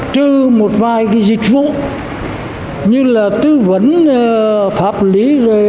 trừ một vài cái dịch vụ như là tư vấn pháp lý